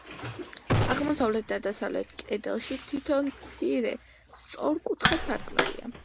აღმოსავლეთ და დასავლეთ კედელში თითო მცირე, სწორკუთხა სარკმელია.